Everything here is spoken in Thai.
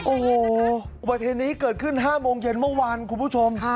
โอ้โหอุบัติเหตุนี้เกิดขึ้น๕โมงเย็นเมื่อวานคุณผู้ชม